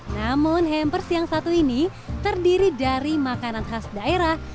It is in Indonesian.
namun hampers yang satu ini terdiri dari makanan khas daerah